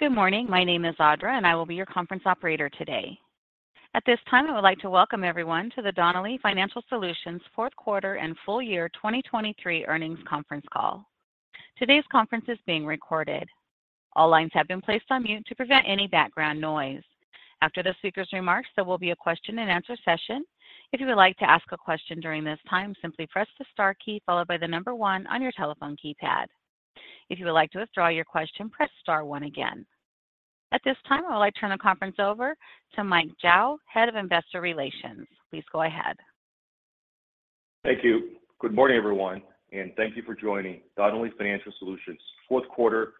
Good morning. My name is Audra, and I will be your conference operator today. At this time, I would like to welcome everyone to the Donnelley Financial Solutions fourth quarter and full year 2023 earnings conference call. Today's conference is being recorded. All lines have been placed on mute to prevent any background noise. After the speaker's remarks, there will be a question-and-answer session. If you would like to ask a question during this time, simply press the star key followed by the number one on your telephone keypad. If you would like to withdraw your question, press star one again. At this time, I would like to turn the conference over to Mike Zhao, Head of Investor Relations. Please go ahead. Thank you. Good morning, everyone, and thank you for joining Donnelley Financial Solutions fourth quarter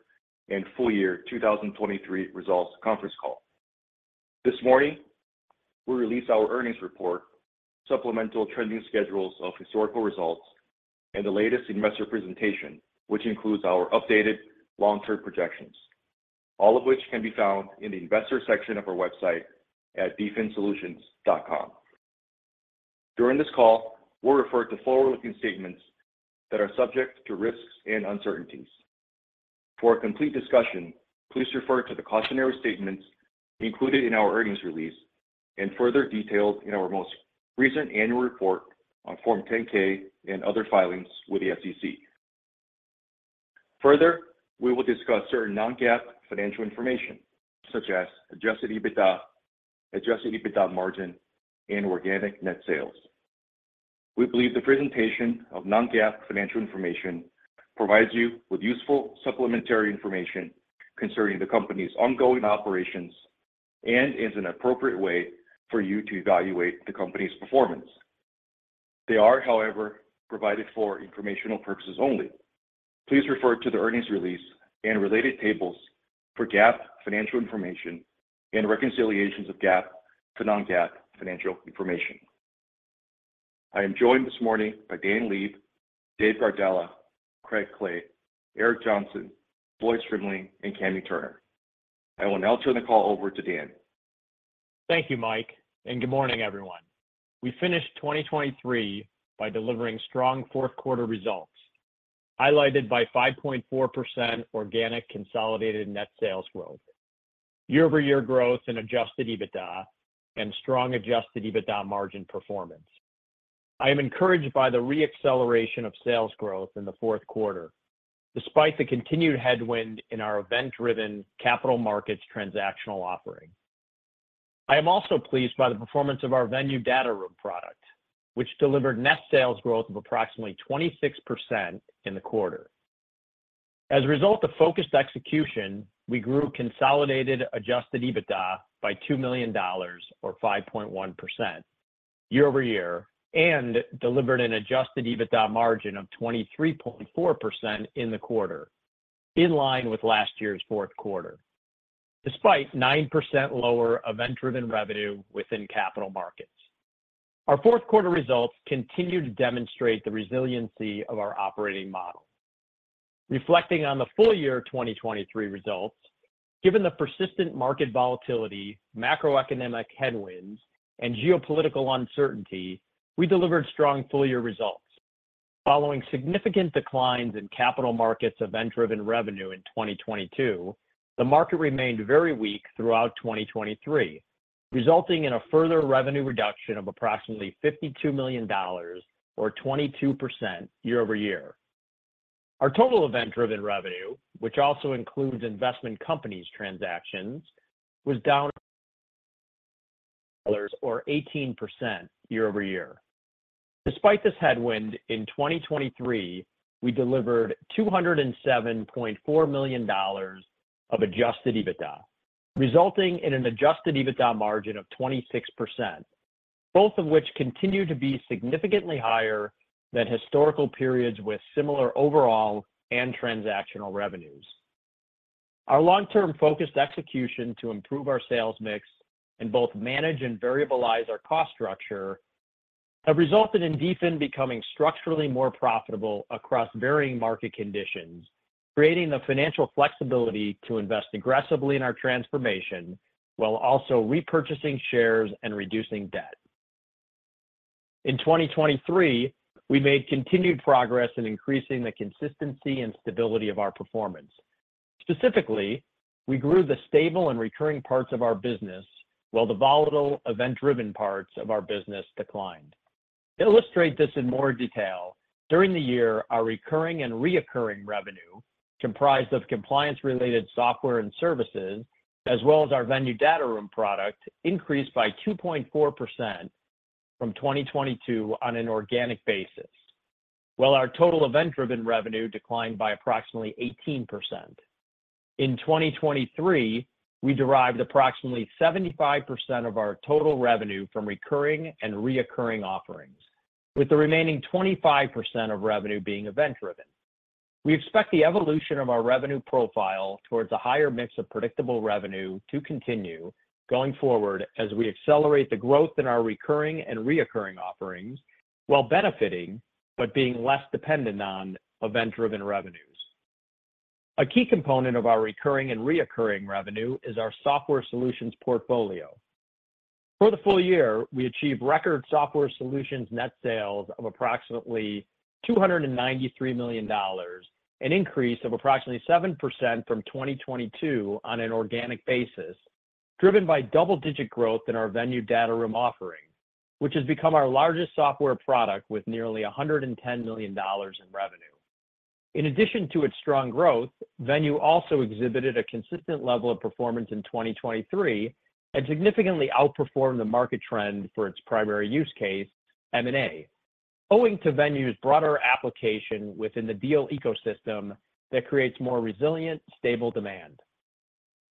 and full year 2023 results conference call. This morning, we release our earnings report, supplemental trending schedules of historical results, and the latest investor presentation, which includes our updated long-term projections, all of which can be found in the investor section of our website at dfinsolutions.com. During this call, we'll refer to forward-looking statements that are subject to risks and uncertainties. For a complete discussion, please refer to the cautionary statements included in our earnings release and further detailed in our most recent annual report on Form 10-K and other filings with the SEC. Further, we will discuss certain Non-GAAP financial information such as Adjusted EBITDA, Adjusted EBITDA Margin, and Organic Net Sales. We believe the presentation of Non-GAAP financial information provides you with useful supplementary information concerning the company's ongoing operations and is an appropriate way for you to evaluate the company's performance. They are, however, provided for informational purposes only. Please refer to the earnings release and related tables for GAAP financial information and reconciliations of GAAP to Non-GAAP financial information. I am joined this morning by Dan Leib, Dave Gardella, Craig Clay, Eric Johnson, Floyd Strimling, and Kami Turner. I will now turn the call over to Dan. Thank you, Mike, and good morning, everyone. We finished 2023 by delivering strong fourth quarter results highlighted by 5.4% organic consolidated net sales growth, year-over-year growth in Adjusted EBITDA, and strong Adjusted EBITDA margin performance. I am encouraged by the re-acceleration of sales growth in the fourth quarter despite the continued headwind in our event-driven capital markets transactional offering. I am also pleased by the performance of our Venue data room product, which delivered net sales growth of approximately 26% in the quarter. As a result of focused execution, we grew consolidated Adjusted EBITDA by $2 million or 5.1% year-over-year and delivered an Adjusted EBITDA margin of 23.4% in the quarter in line with last year's fourth quarter despite 9% lower event-driven revenue within capital markets. Our fourth quarter results continue to demonstrate the resiliency of our operating model. Reflecting on the full year 2023 results, given the persistent market volatility, macroeconomic headwinds, and geopolitical uncertainty, we delivered strong full-year results. Following significant declines in capital markets event-driven revenue in 2022, the market remained very weak throughout 2023, resulting in a further revenue reduction of approximately $52 million or 22% year-over-year. Our total event-driven revenue, which also includes investment companies transactions, was down or 18% year-over-year. Despite this headwind, in 2023, we delivered $207.4 million of Adjusted EBITDA, resulting in an Adjusted EBITDA margin of 26%, both of which continue to be significantly higher than historical periods with similar overall and transactional revenues. Our long-term focused execution to improve our sales mix and both manage and variabilize our cost structure have resulted in DFIN becoming structurally more profitable across varying market conditions, creating the financial flexibility to invest aggressively in our transformation while also repurchasing shares and reducing debt. In 2023, we made continued progress in increasing the consistency and stability of our performance. Specifically, we grew the stable and recurring parts of our business while the volatile event-driven parts of our business declined. To illustrate this in more detail, during the year, our recurring revenue, comprised of compliance-related software and services as well as our Venue data room product, increased by 2.4% from 2022 on an organic basis while our total event-driven revenue declined by approximately 18%. In 2023, we derived approximately 75% of our total revenue from recurring offerings, with the remaining 25% of revenue being event-driven. We expect the evolution of our revenue profile towards a higher mix of predictable revenue to continue going forward as we accelerate the growth in our recurring offerings while benefiting but being less dependent on event-driven revenues. A key component of our recurring and reoccurring revenue is our software solutions portfolio. For the full year, we achieved record software solutions net sales of approximately $293 million, an increase of approximately 7% from 2022 on an organic basis, driven by double-digit growth in our Venue data room offering, which has become our largest software product with nearly $110 million in revenue. In addition to its strong growth, Venue also exhibited a consistent level of performance in 2023 and significantly outperformed the market trend for its primary use case, M&A, owing to Venue's broader application within the deal ecosystem that creates more resilient, stable demand.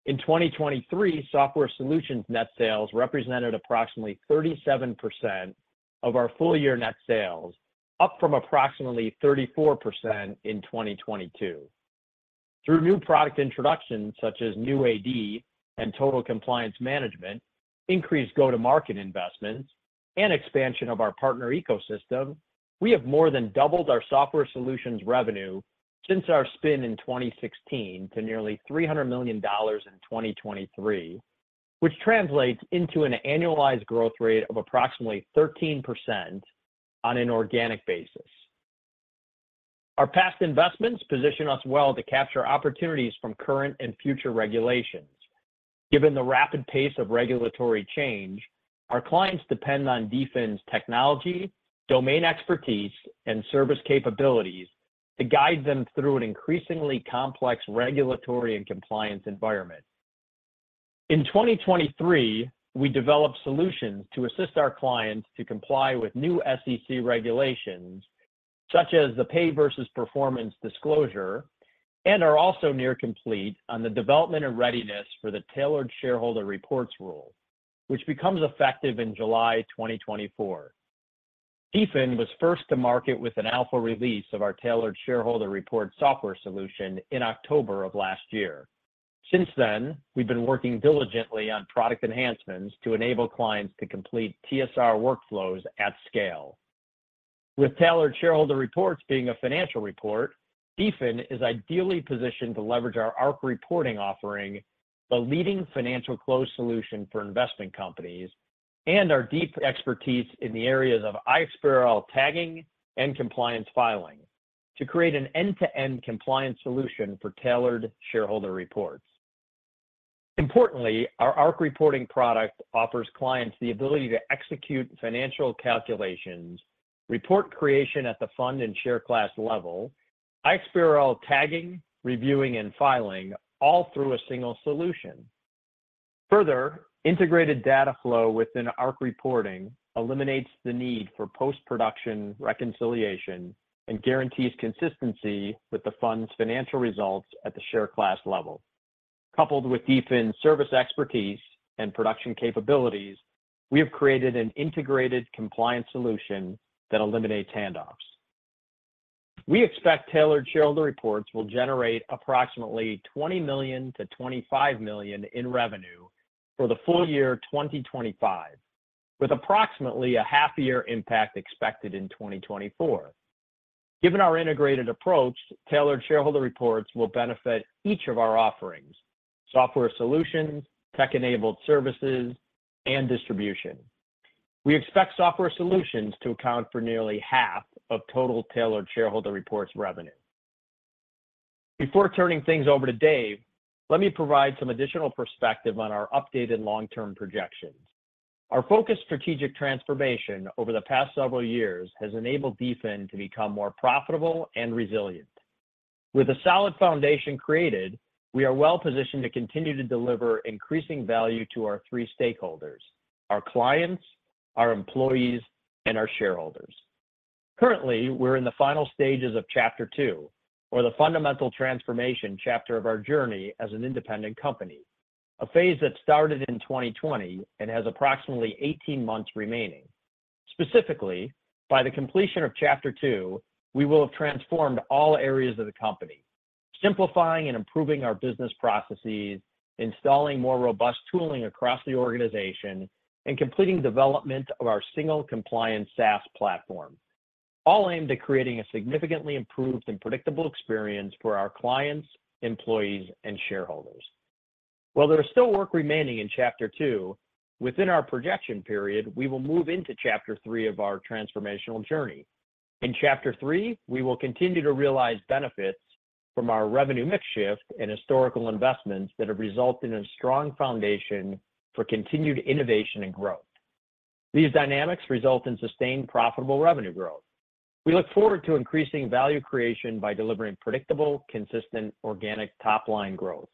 In 2023, software solutions net sales represented approximately 37% of our full-year net sales, up from approximately 34% in 2022. Through new product introductions such as New AD and Total Compliance Management, increased go-to-market investments, and expansion of our partner ecosystem, we have more than doubled our software solutions revenue since our spin in 2016 to nearly $300 million in 2023, which translates into an annualized growth rate of approximately 13% on an organic basis. Our past investments position us well to capture opportunities from current and future regulations. Given the rapid pace of regulatory change, our clients depend on DFIN's technology, domain expertise, and service capabilities to guide them through an increasingly complex regulatory and compliance environment. In 2023, we developed solutions to assist our clients to comply with new SEC regulations such as the Pay Versus Performance disclosure and are also near complete on the development and readiness for the Tailored Shareholder Reports rule, which becomes effective in July 2024. DFIN was first to market with an alpha release of our tailored shareholder reports software solution in October of last year. Since then, we've been working diligently on product enhancements to enable clients to complete TSR workflows at scale. With tailored shareholder reports being a financial report, DFIN is ideally positioned to leverage our ArcReporting offering, the leading financial close solution for investment companies, and our deep expertise in the areas of iXBRL tagging and compliance filing to create an end-to-end compliance solution for tailored shareholder reports. Importantly, our ArcReporting product offers clients the ability to execute financial calculations, report creation at the fund and share class level, iXBRL tagging, reviewing, and filing all through a single solution. Further, integrated data flow within ArcReporting eliminates the need for post-production reconciliation and guarantees consistency with the fund's financial results at the share class level. Coupled with DFIN's service expertise and production capabilities, we have created an integrated compliance solution that eliminates handoffs. We expect Tailored Shareholder Reports will generate approximately $20 million-$25 million in revenue for the full year 2025, with approximately a half-year impact expected in 2024. Given our integrated approach, Tailored Shareholder Reports will benefit each of our offerings: software solutions, tech-enabled services, and distribution. We expect software solutions to account for nearly half of total Tailored Shareholder Reports revenue. Before turning things over to Dave, let me provide some additional perspective on our updated long-term projections. Our focused strategic transformation over the past several years has enabled DFIN to become more profitable and resilient. With a solid foundation created, we are well positioned to continue to deliver increasing value to our three stakeholders: our clients, our employees, and our shareholders. Currently, we're in the final stages of Chapter 2, or the fundamental transformation chapter of our journey as an independent company, a phase that started in 2020 and has approximately 18 months remaining. Specifically, by the completion of Chapter 2, we will have transformed all areas of the company, simplifying and improving our business processes, installing more robust tooling across the organization, and completing development of our single compliance SaaS platform, all aimed at creating a significantly improved and predictable experience for our clients, employees, and shareholders. While there is still work remaining in Chapter 2, within our projection period, we will move into Chapter 3 of our transformational journey. In Chapter 3, we will continue to realize benefits from our revenue mix shift and historical investments that have resulted in a strong foundation for continued innovation and growth. These dynamics result in sustained profitable revenue growth. We look forward to increasing value creation by delivering predictable, consistent, organic top-line growth,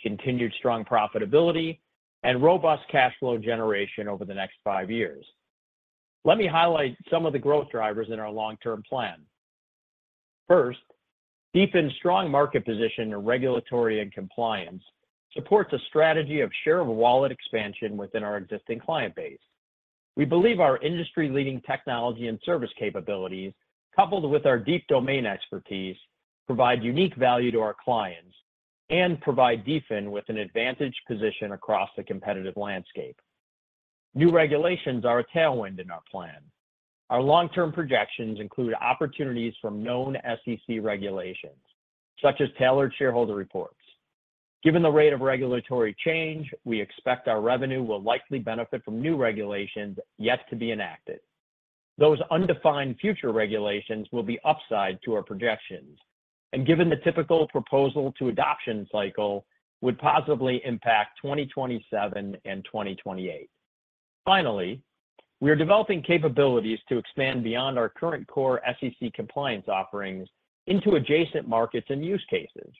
continued strong profitability, and robust cash flow generation over the next five years. Let me highlight some of the growth drivers in our long-term plan. First, DFIN's strong market position in regulatory and compliance supports a strategy of share-of-wallet expansion within our existing client base. We believe our industry-leading technology and service capabilities, coupled with our deep domain expertise, provide unique value to our clients and provide DFIN with an advantage position across the competitive landscape. New regulations are a tailwind in our plan. Our long-term projections include opportunities from known SEC regulations such as tailored shareholder reports. Given the rate of regulatory change, we expect our revenue will likely benefit from new regulations yet to be enacted. Those undefined future regulations will be upside to our projections, and given the typical proposal-to-adoption cycle, would positively impact 2027 and 2028. Finally, we are developing capabilities to expand beyond our current core SEC compliance offerings into adjacent markets and use cases.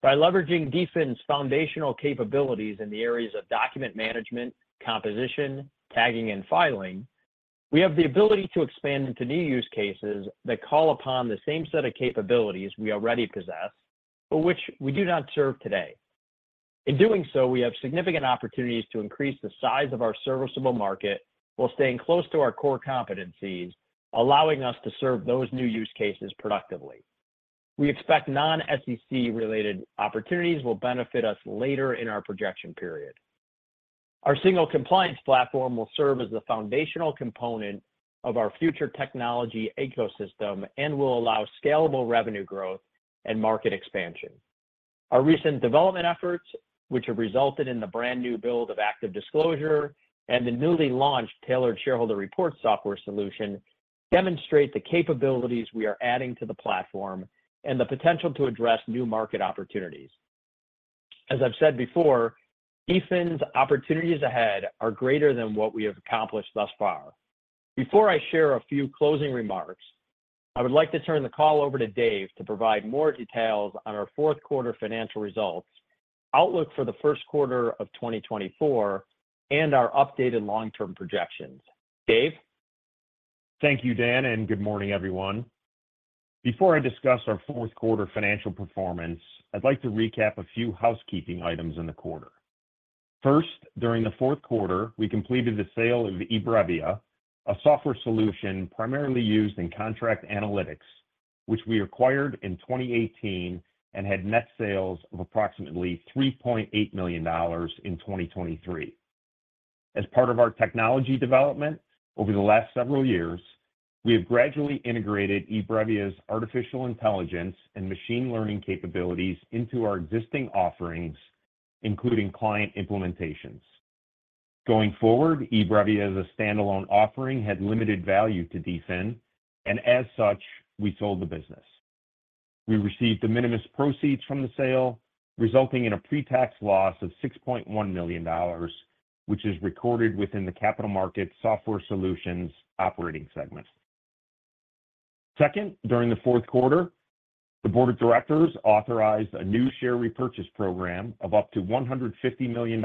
By leveraging DFIN's foundational capabilities in the areas of document management, composition, tagging, and filing, we have the ability to expand into new use cases that call upon the same set of capabilities we already possess but which we do not serve today. In doing so, we have significant opportunities to increase the size of our serviceable market while staying close to our core competencies, allowing us to serve those new use cases productively. We expect non-SEC-related opportunities will benefit us later in our projection period. Our single compliance platform will serve as the foundational component of our future technology ecosystem and will allow scalable revenue growth and market expansion. Our recent development efforts, which have resulted in the brand new build of ActiveDisclosure and the newly launched Tailored Shareholder Reports software solution, demonstrate the capabilities we are adding to the platform and the potential to address new market opportunities. As I've said before, DFIN's opportunities ahead are greater than what we have accomplished thus far. Before I share a few closing remarks, I would like to turn the call over to Dave to provide more details on our fourth quarter financial results, outlook for the first quarter of 2024, and our updated long-term projections. Dave? Thank you, Dan, and good morning, everyone. Before I discuss our fourth quarter financial performance, I'd like to recap a few housekeeping items in the quarter. First, during the fourth quarter, we completed the sale of eBrevia, a software solution primarily used in contract analytics, which we acquired in 2018 and had net sales of approximately $3.8 million in 2023. As part of our technology development over the last several years, we have gradually integrated eBrevia's artificial intelligence and machine learning capabilities into our existing offerings, including client implementations. Going forward, eBrevia as a standalone offering had limited value to DFIN, and as such, we sold the business. We received the minimal proceeds from the sale, resulting in a pretax loss of $6.1 million, which is recorded within the capital markets software solutions operating segment. Second, during the fourth quarter, the board of directors authorized a new share repurchase program of up to $150 million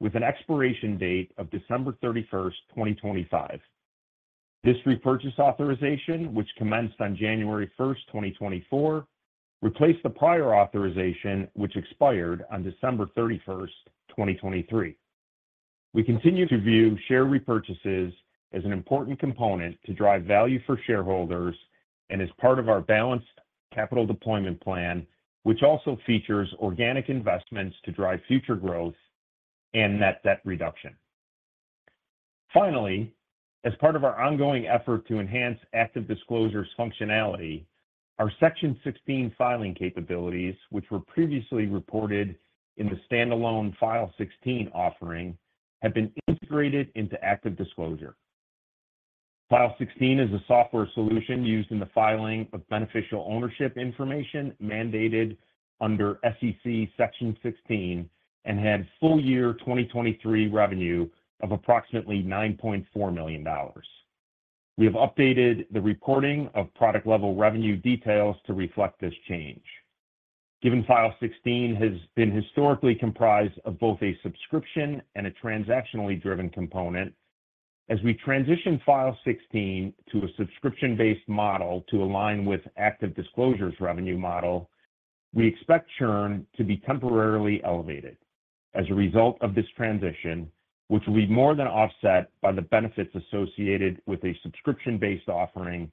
with an expiration date of December 31st, 2025. This repurchase authorization, which commenced on January 1st, 2024, replaced the prior authorization, which expired on December 31st, 2023. We continue to view share repurchases as an important component to drive value for shareholders and as part of our balanced capital deployment plan, which also features organic investments to drive future growth and net debt reduction. Finally, as part of our ongoing effort to enhance ActiveDisclosure's functionality, our Section 16 filing capabilities, which were previously reported in the standalone File16 offering, have been integrated into ActiveDisclosure. File16 is a software solution used in the filing of beneficial ownership information mandated under SEC Section 16 and had full-year 2023 revenue of approximately $9.4 million. We have updated the reporting of product-level revenue details to reflect this change. Given File16 has been historically comprised of both a subscription and a transactionally driven component, as we transition File16 to a subscription-based model to align with ActiveDisclosure's revenue model, we expect churn to be temporarily elevated as a result of this transition, which will be more than offset by the benefits associated with a subscription-based offering,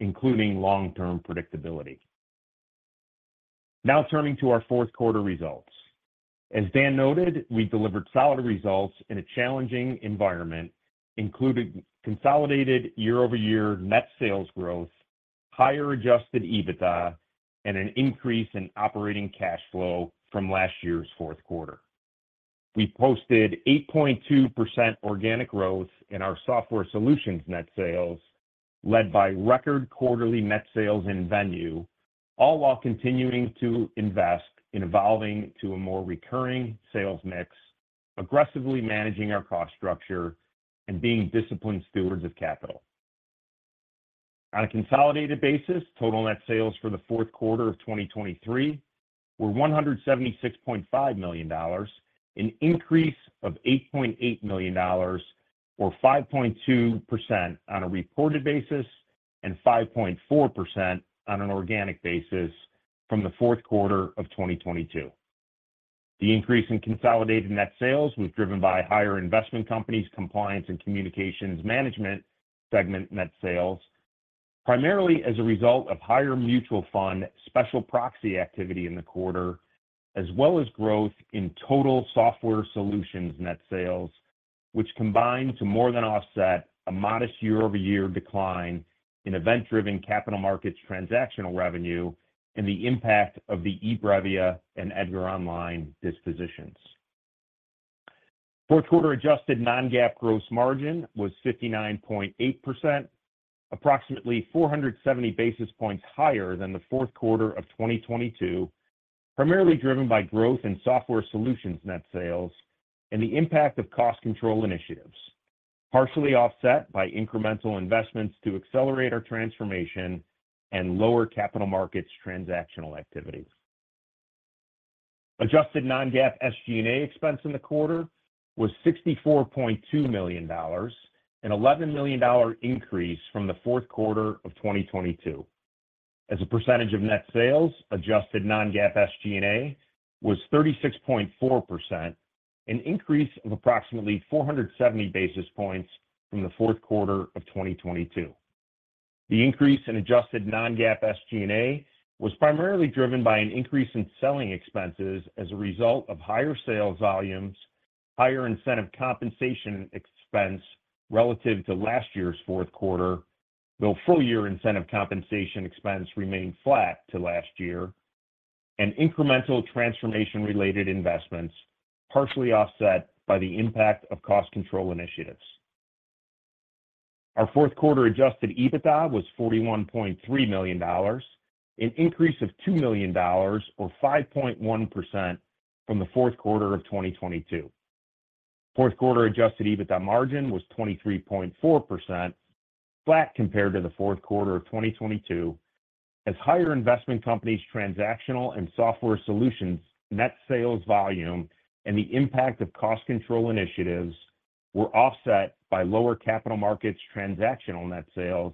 including long-term predictability. Now turning to our fourth quarter results. As Dan noted, we delivered solid results in a challenging environment, including consolidated year-over-year net sales growth, higher Adjusted EBITDA, and an increase in operating cash flow from last year's fourth quarter. We posted 8.2% organic growth in our software solutions net sales, led by record quarterly net sales and Venue, all while continuing to invest in evolving to a more recurring sales mix, aggressively managing our cost structure, and being disciplined stewards of capital. On a consolidated basis, total net sales for the fourth quarter of 2023 were $176.5 million, an increase of $8.8 million, or 5.2% on a reported basis and 5.4% on an organic basis from the fourth quarter of 2022. The increase in consolidated net sales was driven by higher investment companies compliance and communications management segment net sales, primarily as a result of higher mutual fund special proxy activity in the quarter, as well as growth in total software solutions net sales, which combined to more than offset a modest year-over-year decline in event-driven capital markets transactional revenue and the impact of the eBrevia and EDGAR Online dispositions. Fourth quarter adjusted non-GAAP gross margin was 59.8%, approximately 470 basis points higher than the fourth quarter of 2022, primarily driven by growth in software solutions net sales and the impact of cost control initiatives, partially offset by incremental investments to accelerate our transformation and lower capital markets transactional activities. Adjusted non-GAAP SG&A expense in the quarter was $64.2 million, an $11 million increase from the fourth quarter of 2022. As a percentage of net sales, adjusted non-GAAP SG&A was 36.4%, an increase of approximately 470 basis points from the fourth quarter of 2022. The increase in adjusted non-GAAP SG&A was primarily driven by an increase in selling expenses as a result of higher sales volumes, higher incentive compensation expense relative to last year's fourth quarter, though full-year incentive compensation expense remained flat to last year, and incremental transformation-related investments, partially offset by the impact of cost control initiatives. Our fourth quarter Adjusted EBITDA was $41.3 million, an increase of $2 million, or 5.1%, from the fourth quarter of 2022. Fourth quarter Adjusted EBITDA margin was 23.4%, flat compared to the fourth quarter of 2022, as higher investment companies transactional and software solutions net sales volume and the impact of cost control initiatives were offset by lower capital markets transactional net sales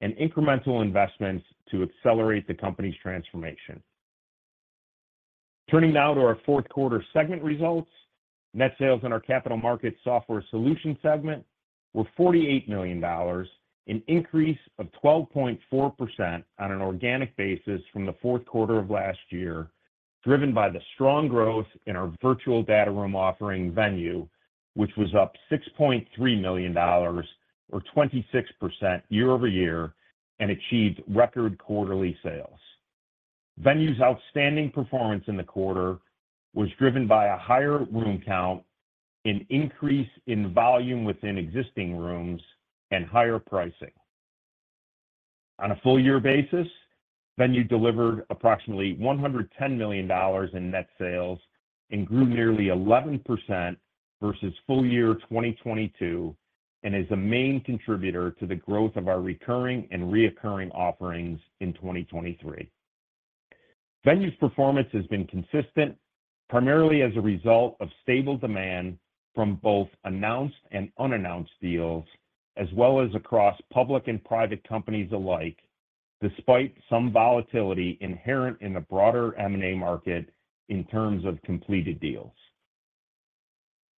and incremental investments to accelerate the company's transformation. Turning now to our fourth quarter segment results, net sales in our capital markets software solution segment were $48 million, an increase of 12.4% on an organic basis from the fourth quarter of last year, driven by the strong growth in our virtual data room offering Venue, which was up $6.3 million, or 26% year-over-year, and achieved record quarterly sales. Venue's outstanding performance in the quarter was driven by a higher room count, an increase in volume within existing rooms, and higher pricing. On a full-year basis, Venue delivered approximately $110 million in net sales and grew nearly 11% versus full-year 2022 and is a main contributor to the growth of our recurring and reoccurring offerings in 2023. Venue's performance has been consistent, primarily as a result of stable demand from both announced and unannounced deals, as well as across public and private companies alike, despite some volatility inherent in the broader M&A market in terms of completed deals.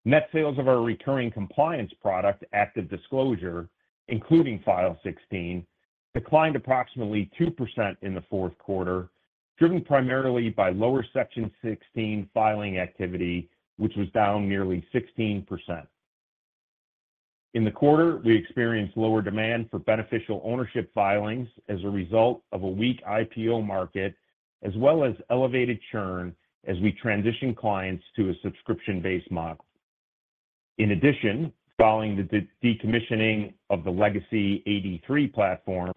Net sales of our recurring compliance product, ActiveDisclosure, including File16, declined approximately 2% in the fourth quarter, driven primarily by lower Section 16 filing activity, which was down nearly 16%. In the quarter, we experienced lower demand for beneficial ownership filings as a result of a weak IPO market, as well as elevated churn as we transitioned clients to a subscription-based model. In addition, following the decommissioning of the legacy AD3 platform,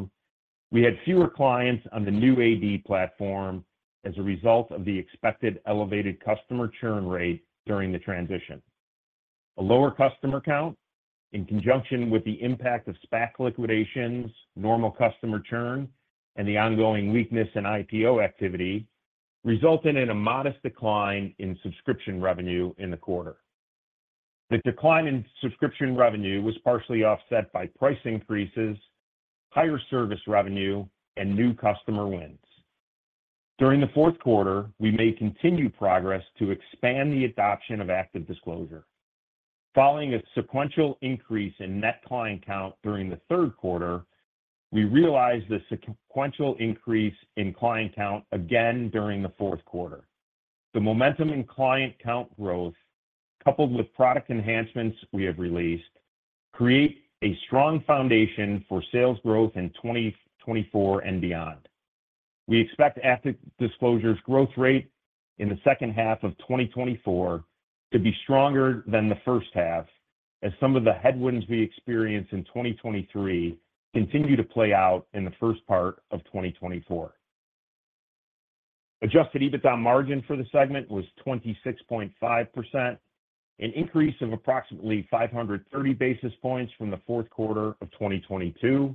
we had fewer clients on the New AD platform as a result of the expected elevated customer churn rate during the transition. A lower customer count, in conjunction with the impact of SPAC liquidations, normal customer churn, and the ongoing weakness in IPO activity, resulted in a modest decline in subscription revenue in the quarter. The decline in subscription revenue was partially offset by price increases, higher service revenue, and new customer wins. During the fourth quarter, we made continued progress to expand the adoption of ActiveDisclosure. Following a sequential increase in net client count during the third quarter, we realized the sequential increase in client count again during the fourth quarter. The momentum in client count growth, coupled with product enhancements we have released, creates a strong foundation for sales growth in 2024 and beyond. We expect ActiveDisclosure's growth rate in the second half of 2024 to be stronger than the first half, as some of the headwinds we experienced in 2023 continue to play out in the first part of 2024. Adjusted EBITDA margin for the segment was 26.5%, an increase of approximately 530 basis points from the fourth quarter of 2022,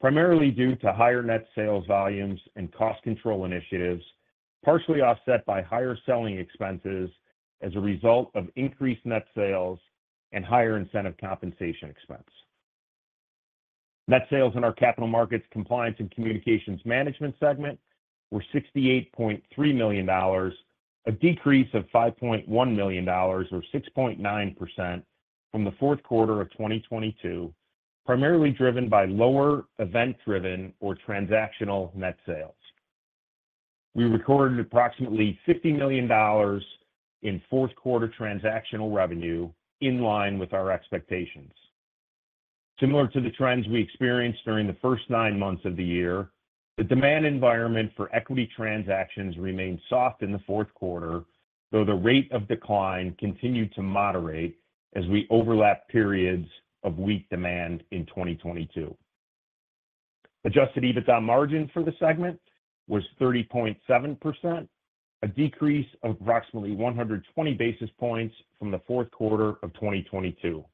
primarily due to higher net sales volumes and cost control initiatives, partially offset by higher selling expenses as a result of increased net sales and higher incentive compensation expense. Net sales in our capital markets compliance and communications management segment were $68.3 million, a decrease of $5.1 million, or 6.9%, from the fourth quarter of 2022, primarily driven by lower event-driven or transactional net sales. We recorded approximately $50 million in fourth quarter transactional revenue in line with our expectations. Similar to the trends we experienced during the first nine months of the year, the demand environment for equity transactions remained soft in the fourth quarter, though the rate of decline continued to moderate as we overlapped periods of weak demand in 2022. Adjusted EBITDA margin for the segment was 30.7%, a decrease of approximately 120 basis points from the fourth quarter of 2022.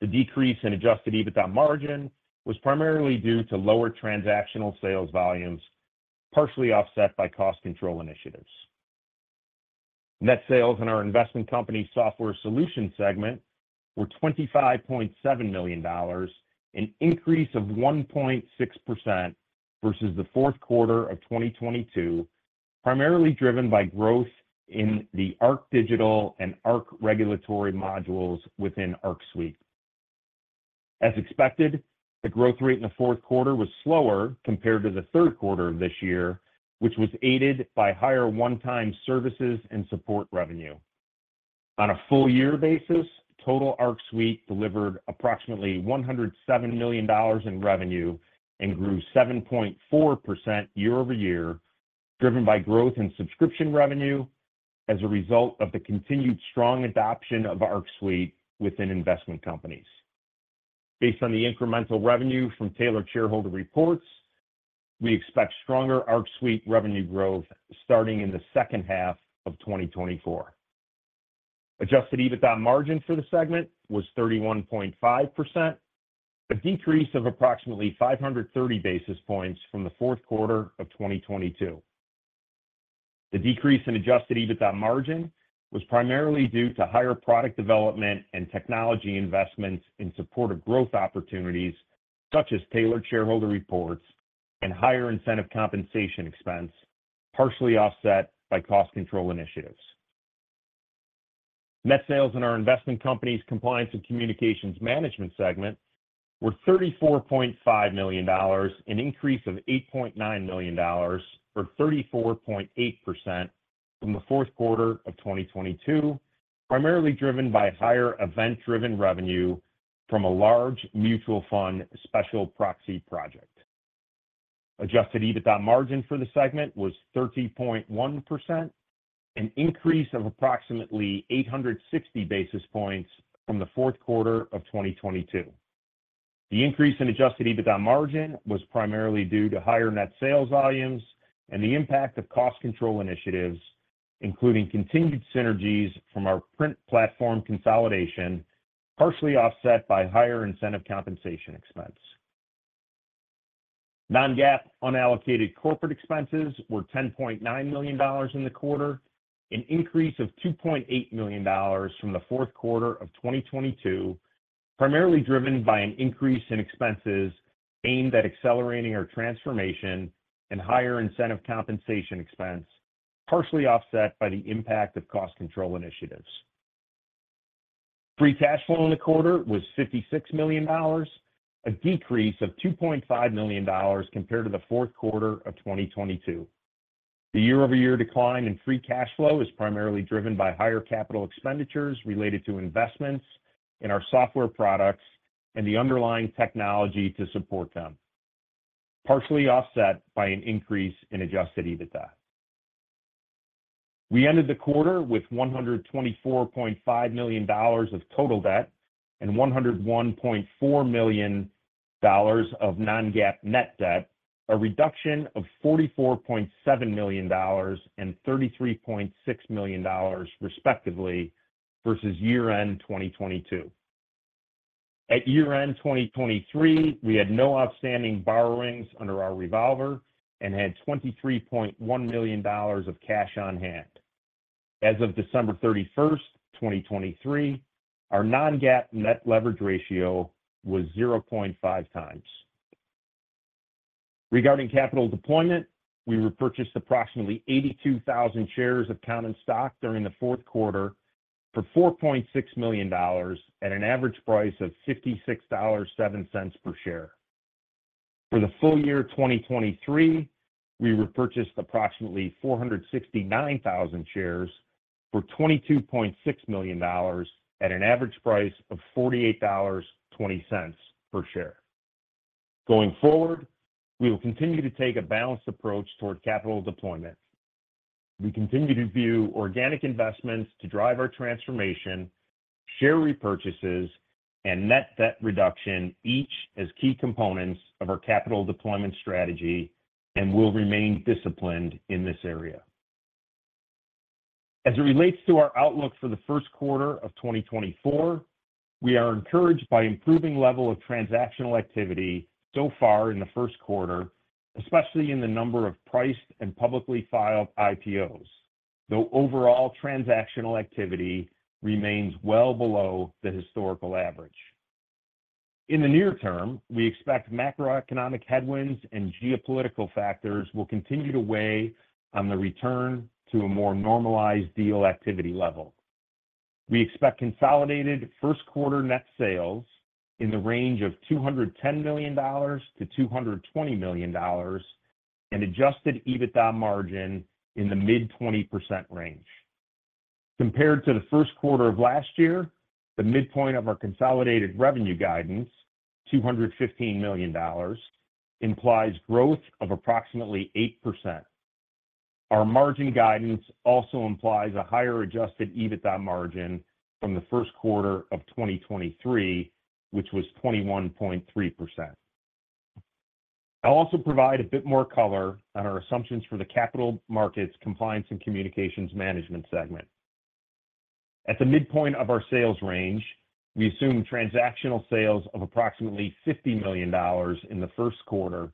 The decrease in adjusted EBITDA margin was primarily due to lower transactional sales volumes, partially offset by cost control initiatives. Net sales in our investment company software solution segment were $25.7 million, an increase of 1.6% versus the fourth quarter of 2022, primarily driven by growth in the ArcDigital and ArcRegulatory modules within ArcSuite. As expected, the growth rate in the fourth quarter was slower compared to the third quarter of this year, which was aided by higher one-time services and support revenue. On a full-year basis, total ArcSuite delivered approximately $107 million in revenue and grew 7.4% year-over-year, driven by growth in subscription revenue as a result of the continued strong adoption of ArcSuite within investment companies. Based on the incremental revenue from Tailored Shareholder Reports, we expect stronger ArcSuite revenue growth starting in the second half of 2024. Adjusted EBITDA margin for the segment was 31.5%, a decrease of approximately 530 basis points from the fourth quarter of 2022. The decrease in Adjusted EBITDA margin was primarily due to higher product development and technology investments in supportive growth opportunities such as Tailored Shareholder Reports and higher incentive compensation expense, partially offset by cost control initiatives. Net sales in our investment companies compliance and communications management segment were $34.5 million, an increase of $8.9 million, or 34.8% from the fourth quarter of 2022, primarily driven by higher event-driven revenue from a large mutual fund special proxy project. Adjusted EBITDA margin for the segment was 30.1%, an increase of approximately 860 basis points from the fourth quarter of 2022. The increase in adjusted EBITDA margin was primarily due to higher net sales volumes and the impact of cost control initiatives, including continued synergies from our print platform consolidation, partially offset by higher incentive compensation expense. Non-GAAP unallocated corporate expenses were $10.9 million in the quarter, an increase of $2.8 million from the fourth quarter of 2022, primarily driven by an increase in expenses aimed at accelerating our transformation and higher incentive compensation expense, partially offset by the impact of cost control initiatives. Free Cash Flow in the quarter was $56 million, a decrease of $2.5 million compared to the fourth quarter of 2022. The year-over-year decline in Free Cash Flow is primarily driven by higher capital expenditures related to investments in our software products and the underlying technology to support them, partially offset by an increase in Adjusted EBITDA. We ended the quarter with $124.5 million of total debt and $101.4 million of Non-GAAP net debt, a reduction of $44.7 million and $33.6 million, respectively, versus year-end 2022. At year-end 2023, we had no outstanding borrowings under our revolver and had $23.1 million of cash on hand. As of December 31st, 2023, our Non-GAAP net leverage ratio was 0.5x. Regarding capital deployment, we repurchased approximately 82,000 shares of common stock during the fourth quarter for $4.6 million at an average price of $56.07 per share. For the full year 2023, we repurchased approximately 469,000 shares for $22.6 million at an average price of $48.20 per share. Going forward, we will continue to take a balanced approach toward capital deployment. We continue to view organic investments to drive our transformation, share repurchases, and net debt reduction each as key components of our capital deployment strategy and will remain disciplined in this area. As it relates to our outlook for the first quarter of 2024, we are encouraged by improving level of transactional activity so far in the first quarter, especially in the number of priced and publicly filed IPOs, though overall transactional activity remains well below the historical average. In the near term, we expect macroeconomic headwinds and geopolitical factors will continue to weigh on the return to a more normalized deal activity level. We expect consolidated first-quarter net sales in the range of $210 million-$220 million and adjusted EBITDA margin in the mid-20% range. Compared to the first quarter of last year, the midpoint of our consolidated revenue guidance, $215 million, implies growth of approximately 8%. Our margin guidance also implies a higher adjusted EBITDA margin from the first quarter of 2023, which was 21.3%. I'll also provide a bit more color on our assumptions for the capital markets compliance and communications management segment. At the midpoint of our sales range, we assume transactional sales of approximately $50 million in the first quarter,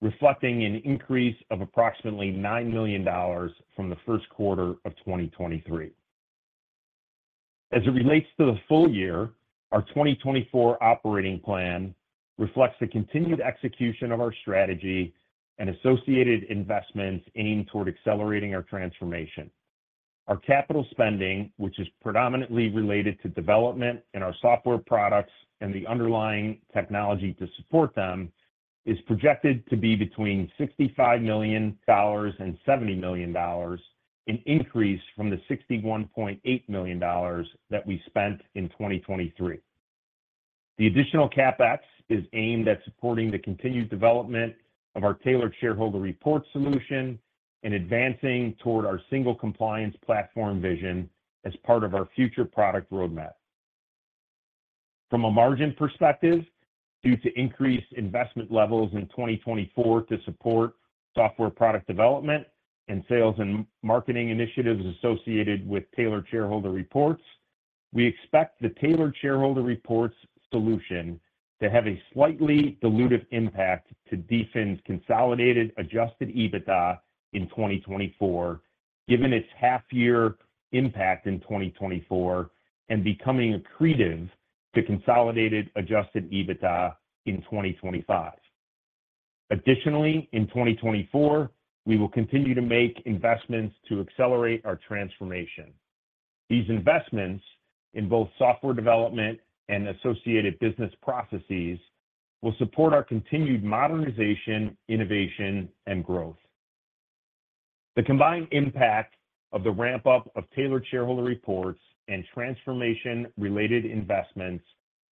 reflecting an increase of approximately $9 million from the first quarter of 2023. As it relates to the full year, our 2024 operating plan reflects the continued execution of our strategy and associated investments aimed toward accelerating our transformation. Our capital spending, which is predominantly related to development in our software products and the underlying technology to support them, is projected to be between $65 million and $70 million, an increase from the $61.8 million that we spent in 2023. The additional CapEx is aimed at supporting the continued development of our Tailored Shareholder Reports solution and advancing toward our single compliance platform vision as part of our future product roadmap. From a margin perspective, due to increased investment levels in 2024 to support software product development and sales and marketing initiatives associated with Tailored Shareholder Reports, we expect the Tailored Shareholder Reports solution to have a slightly dilutive impact to DFIN's consolidated Adjusted EBITDA in 2024, given its half-year impact in 2024 and becoming accretive to consolidated Adjusted EBITDA in 2025. Additionally, in 2024, we will continue to make investments to accelerate our transformation. These investments in both software development and associated business processes will support our continued modernization, innovation, and growth. The combined impact of the ramp-up of Tailored Shareholder Reports and transformation-related investments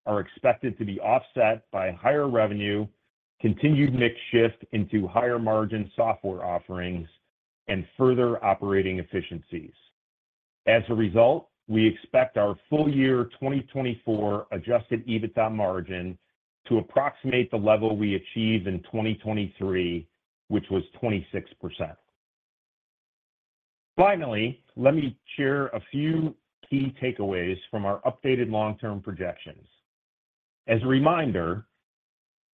are expected to be offset by higher revenue, continued mix shift into higher-margin software offerings, and further operating efficiencies. As a result, we expect our full-year 2024 adjusted EBITDA margin to approximate the level we achieved in 2023, which was 26%. Finally, let me share a few key takeaways from our updated long-term projections. As a reminder,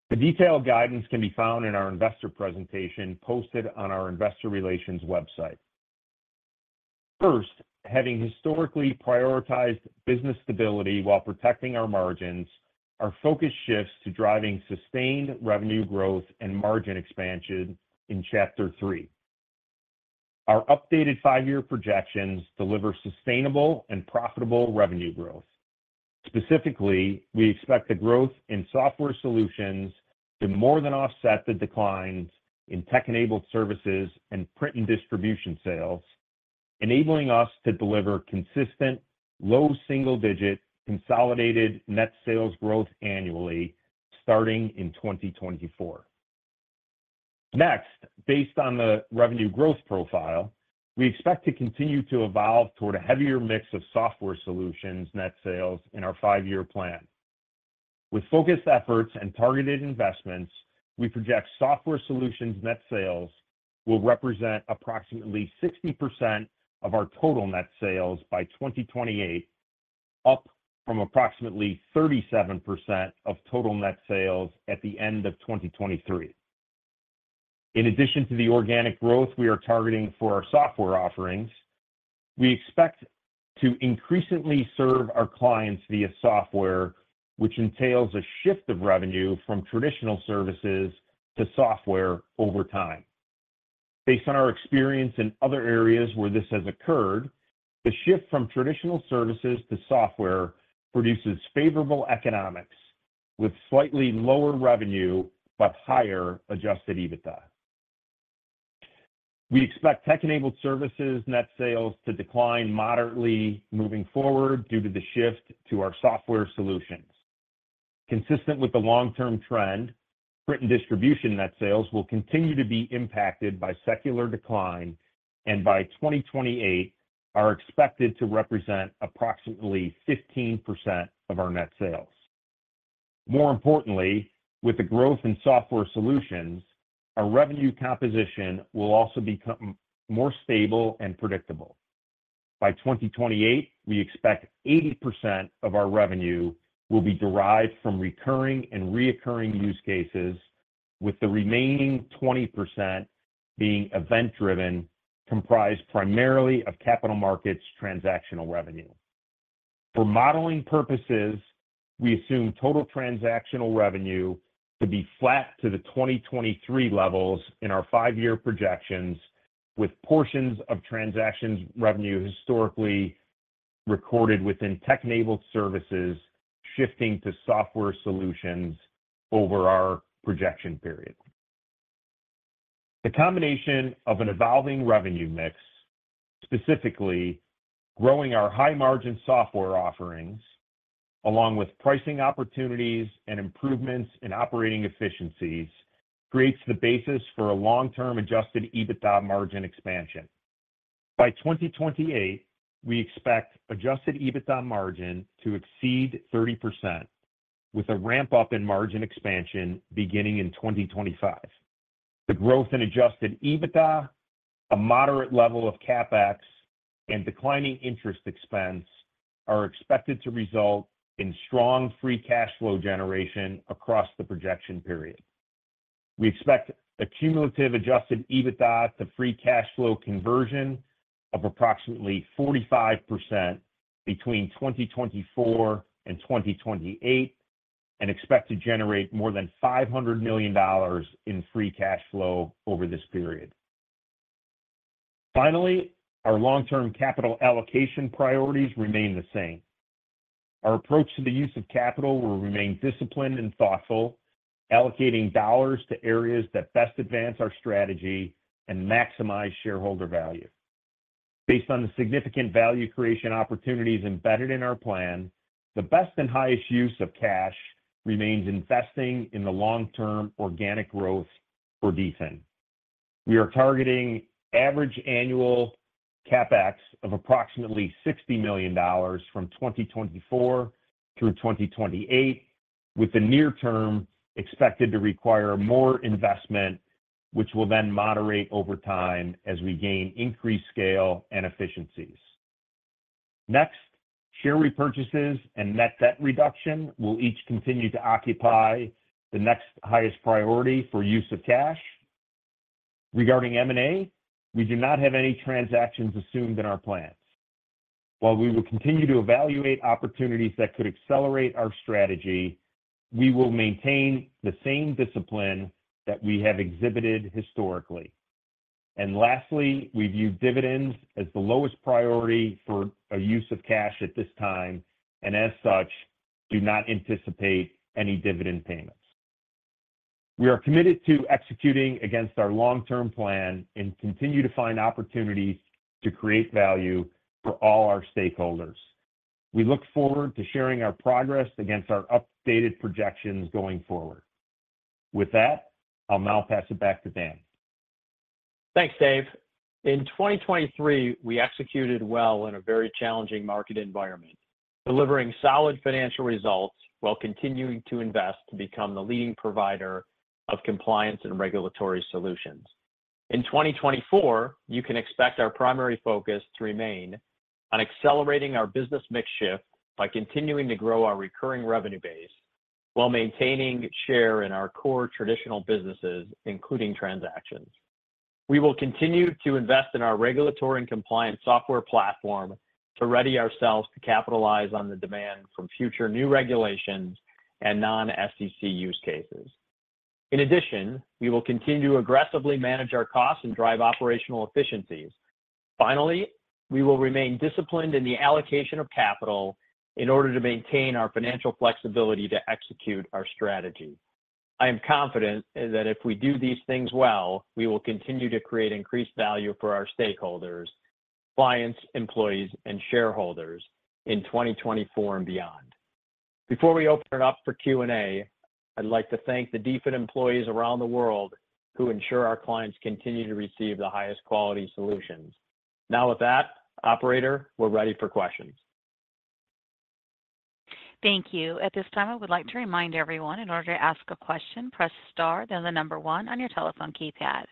the detailed guidance can be found in our investor presentation posted on our investor relations website. First, having historically prioritized business stability while protecting our margins, our focus shifts to driving sustained revenue growth and margin expansion in Chapter 3. Our updated five-year projections deliver sustainable and profitable revenue growth. Specifically, we expect the growth in software solutions to more than offset the declines in tech-enabled services and print and distribution sales, enabling us to deliver consistent, low single-digit consolidated net sales growth annually starting in 2024. Next, based on the revenue growth profile, we expect to continue to evolve toward a heavier mix of software solutions net sales in our five-year plan. With focused efforts and targeted investments, we project software solutions net sales will represent approximately 60% of our total net sales by 2028, up from approximately 37% of total net sales at the end of 2023. In addition to the organic growth we are targeting for our software offerings, we expect to increasingly serve our clients via software, which entails a shift of revenue from traditional services to software over time. Based on our experience in other areas where this has occurred, the shift from traditional services to software produces favorable economics with slightly lower revenue but higher Adjusted EBITDA. We expect tech-enabled services net sales to decline moderately moving forward due to the shift to our software solutions. Consistent with the long-term trend, print and distribution net sales will continue to be impacted by secular decline, and by 2028, are expected to represent approximately 15% of our net sales. More importantly, with the growth in software solutions, our revenue composition will also become more stable and predictable. By 2028, we expect 80% of our revenue will be derived from recurring and reoccurring use cases, with the remaining 20% being event-driven, comprised primarily of capital markets transactional revenue. For modeling purposes, we assume total transactional revenue to be flat to the 2023 levels in our five-year projections, with portions of transactions revenue historically recorded within tech-enabled services shifting to software solutions over our projection period. The combination of an evolving revenue mix, specifically growing our high-margin software offerings along with pricing opportunities and improvements in operating efficiencies, creates the basis for a long-term adjusted EBITDA margin expansion. By 2028, we expect adjusted EBITDA margin to exceed 30%, with a ramp-up in margin expansion beginning in 2025. The growth in adjusted EBITDA, a moderate level of CapEx, and declining interest expense are expected to result in strong free cash flow generation across the projection period. We expect accumulative adjusted EBITDA to free cash flow conversion of approximately 45% between 2024 and 2028 and expect to generate more than $500 million in free cash flow over this period. Finally, our long-term capital allocation priorities remain the same. Our approach to the use of capital will remain disciplined and thoughtful, allocating dollars to areas that best advance our strategy and maximize shareholder value. Based on the significant value creation opportunities embedded in our plan, the best and highest use of cash remains investing in the long-term organic growth for DFIN. We are targeting average annual CapEx of approximately $60 million from 2024 through 2028, with the near term expected to require more investment, which will then moderate over time as we gain increased scale and efficiencies. Next, share repurchases and net debt reduction will each continue to occupy the next highest priority for use of cash. Regarding M&A, we do not have any transactions assumed in our plans. While we will continue to evaluate opportunities that could accelerate our strategy, we will maintain the same discipline that we have exhibited historically. Lastly, we view dividends as the lowest priority for a use of cash at this time and, as such, do not anticipate any dividend payments. We are committed to executing against our long-term plan and continue to find opportunities to create value for all our stakeholders. We look forward to sharing our progress against our updated projections going forward. With that, I'll now pass it back to Dan. Thanks, Dave. In 2023, we executed well in a very challenging market environment, delivering solid financial results while continuing to invest to become the leading provider of compliance and regulatory solutions. In 2024, you can expect our primary focus to remain on accelerating our business mix shift by continuing to grow our recurring revenue base while maintaining share in our core traditional businesses, including transactions. We will continue to invest in our regulatory and compliance software platform to ready ourselves to capitalize on the demand from future new regulations and non-SEC use cases. In addition, we will continue to aggressively manage our costs and drive operational efficiencies. Finally, we will remain disciplined in the allocation of capital in order to maintain our financial flexibility to execute our strategy. I am confident that if we do these things well, we will continue to create increased value for our stakeholders, clients, employees, and shareholders in 2024 and beyond. Before we open it up for Q&A, I'd like to thank the dedicated employees around the world who ensure our clients continue to receive the highest quality solutions. Now, with that, operator, we're ready for questions. Thank you. At this time, I would like to remind everyone, in order to ask a question, press star, then the number one on your telephone keypad.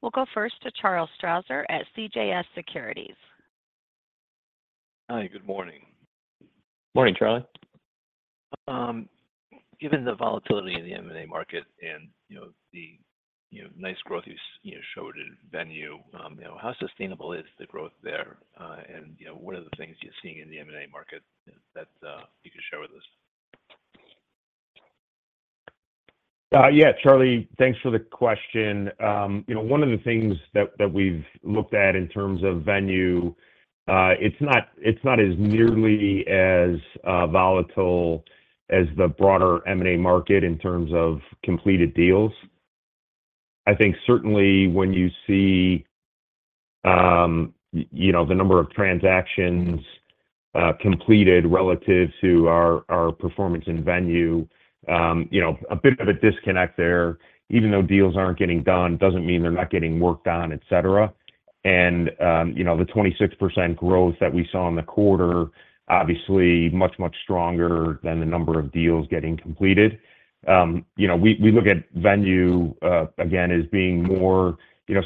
We'll go first to Charles Strausser at CJS Securities. Hi, good morning. Morning, Charlie. Given the volatility in the M&A market and the nice growth you showed in Venue, how sustainable is the growth there? And what are the things you're seeing in the M&A market that you could share with us? Yeah, Charlie, thanks for the question. One of the things that we've looked at in terms of Venue, it's not nearly as volatile as the broader M&A market in terms of completed deals. I think certainly when you see the number of transactions completed relative to our performance in Venue, a bit of a disconnect there, even though deals aren't getting done, doesn't mean they're not getting worked on, etc. And the 26% growth that we saw in the quarter, obviously, much, much stronger than the number of deals getting completed. We look at Venue, again, as being more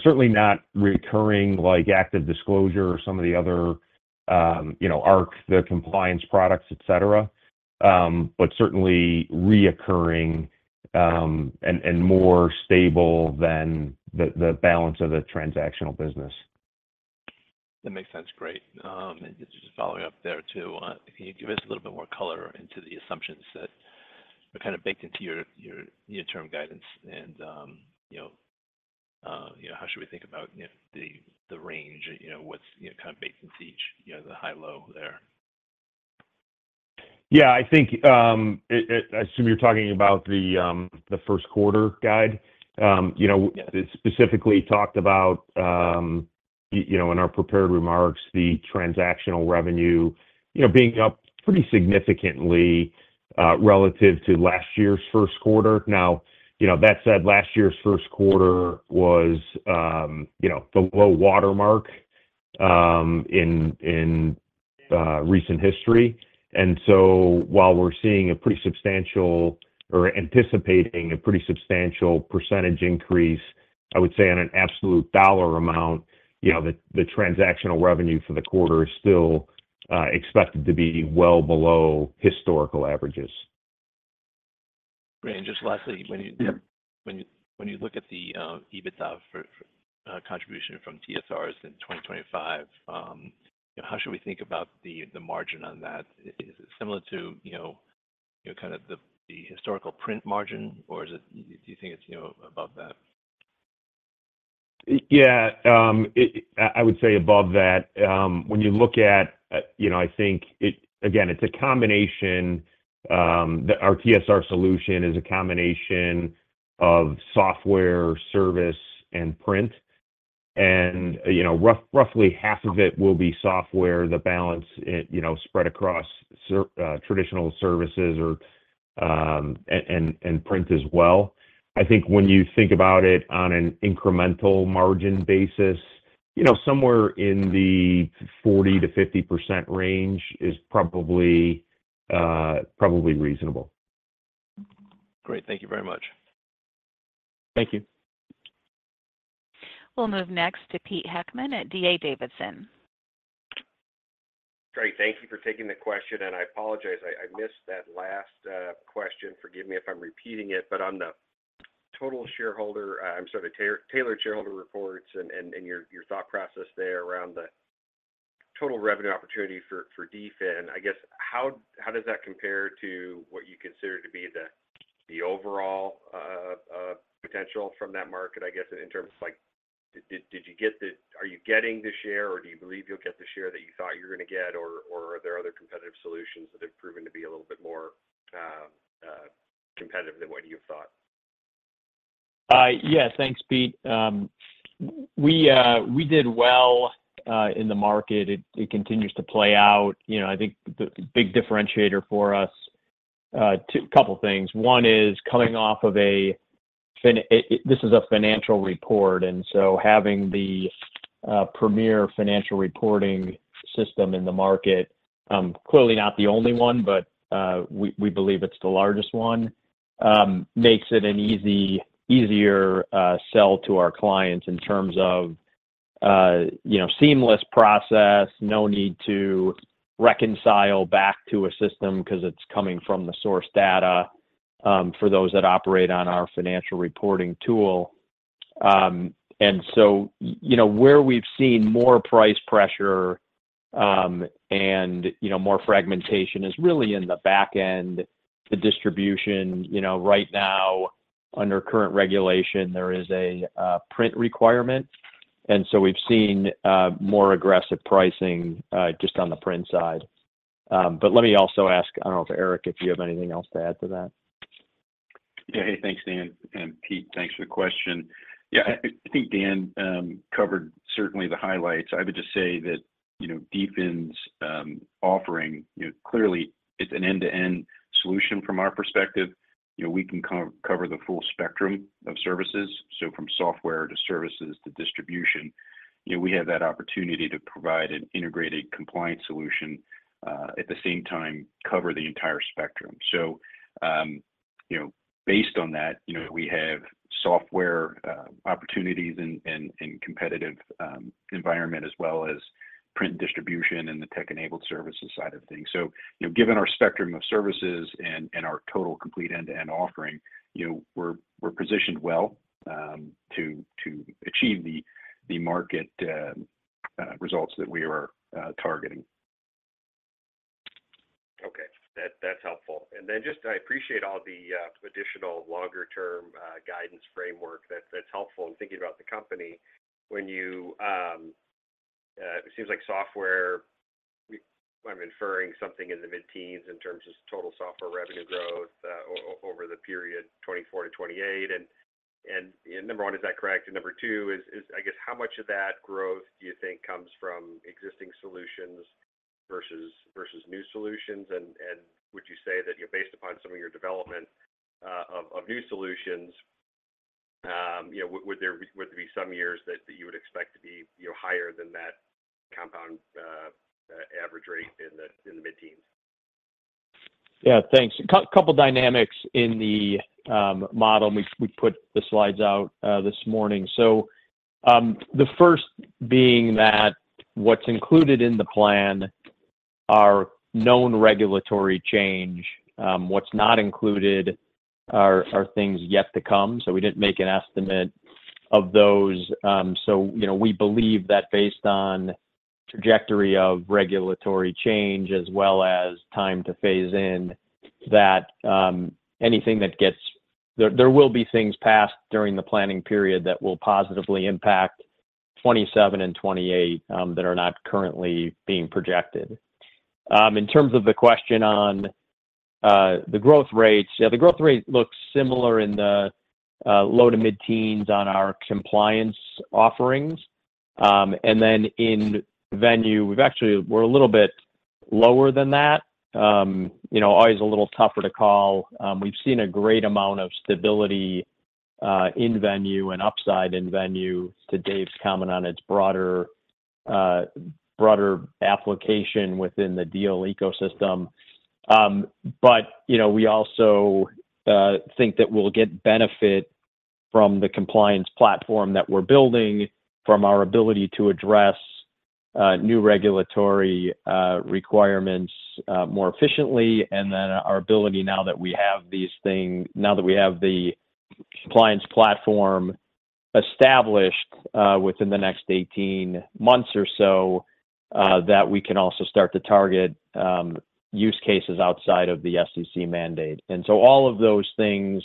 certainly not recurring like ActiveDisclosure or some of the other Arc, the compliance products, etc., but certainly recurring and more stable than the balance of the transactional business. That makes sense. Great. Just following up there too, can you give us a little bit more color into the assumptions that are kind of baked into your term guidance? How should we think about the range? What's kind of baked into each, the high, low there? Yeah, I think I assume you're talking about the first quarter guide. It specifically talked about, in our prepared remarks, the transactional revenue being up pretty significantly relative to last year's first quarter. Now, that said, last year's first quarter was the low watermark in recent history. And so while we're seeing a pretty substantial or anticipating a pretty substantial percentage increase, I would say on an absolute dollar amount, the transactional revenue for the quarter is still expected to be well below historical averages. Great. And just lastly, when you look at the EBITDA contribution from TSRs in 2025, how should we think about the margin on that? Is it similar to kind of the historical print margin, or do you think it's above that? Yeah, I would say above that. When you look at, I think, again, it's a combination. Our TSR solution is a combination of software, service, and print. And roughly half of it will be software, the balance spread across traditional services and print as well. I think when you think about it on an incremental margin basis, somewhere in the 40%-50% range is probably reasonable. Great. Thank you very much. Thank you. We'll move next to Peter Heckmann at D.A. Davidson. Great. Thank you for taking the question. I apologize. I missed that last question. Forgive me if I'm repeating it. But on the total shareholder, I'm sorry, Tailored Shareholder Reports and your thought process there around the total revenue opportunity for DFIN, I guess, how does that compare to what you consider to be the overall potential from that market, I guess, in terms of did you get the, are you getting the share, or do you believe you'll get the share that you thought you were going to get, or are there other competitive solutions that have proven to be a little bit more competitive than what you've thought? Yeah, thanks, Peter. We did well in the market. It continues to play out. I think the big differentiator for us, a couple of things. One is coming off of a this is a financial report. Having the premier financial reporting system in the market, clearly not the only one, but we believe it's the largest one, makes it an easier sell to our clients in terms of seamless process, no need to reconcile back to a system because it's coming from the source data for those that operate on our financial reporting tool. Where we've seen more price pressure and more fragmentation is really in the back end, the distribution. Right now, under current regulation, there is a print requirement. We've seen more aggressive pricing just on the print side. Let me also ask, I don't know if Eric, if you have anything else to add to that. Yeah, hey, thanks, Dan. And Pete, thanks for the question. Yeah, I think Dan covered certainly the highlights. I would just say that DFIN's offering, clearly, it's an end-to-end solution from our perspective. We can cover the full spectrum of services. So from software to services to distribution, we have that opportunity to provide an integrated compliance solution, at the same time, cover the entire spectrum. So based on that, we have software opportunities in a competitive environment as well as print distribution and the tech-enabled services side of things. So given our spectrum of services and our total complete end-to-end offering, we're positioned well to achieve the market results that we are targeting. Okay. That's helpful. And then just I appreciate all the additional longer-term guidance framework. That's helpful. And thinking about the company, when you it seems like software I'm inferring something in the mid-teens in terms of total software revenue growth over the period 2024 to 2028. And number one, is that correct? And number two is, I guess, how much of that growth do you think comes from existing solutions versus new solutions? And would you say that based upon some of your development of new solutions, would there be some years that you would expect to be higher than that compound average rate in the mid-teens? Yeah, thanks. A couple of dynamics in the model. We put the slides out this morning. So the first being that what's included in the plan are known regulatory change. What's not included are things yet to come. So we didn't make an estimate of those. So we believe that based on trajectory of regulatory change as well as time to phase in, that anything that gets there will be things passed during the planning period that will positively impact 2027 and 2028 that are not currently being projected. In terms of the question on the growth rates, yeah, the growth rate looks similar in the low to mid-teens on our compliance offerings. And then in Venue, we're a little bit lower than that. Always a little tougher to call. We've seen a great amount of stability in Venue and upside in Venue to Dave's comment on its broader application within the deal ecosystem. But we also think that we'll get benefit from the compliance platform that we're building, from our ability to address new regulatory requirements more efficiently, and then our ability now that we have these things now that we have the compliance platform established within the next 18 months or so, that we can also start to target use cases outside of the SEC mandate. And so all of those things